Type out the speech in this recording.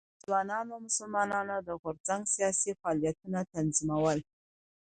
د ځوانو مسلمانانو د غورځنګ سیاسي فعالیتونه تنظیمول.